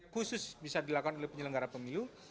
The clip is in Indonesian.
khusus bisa dilakukan oleh penyelenggara pemilu